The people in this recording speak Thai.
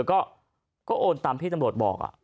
ก็โอนตามที่ตำรวจบอก